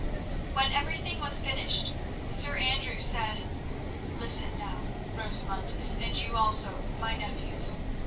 When everything was finished, Sir Andrew said: "Listen now, Rosamund, and you also, my nephews.